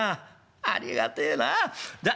ありがてえなあ。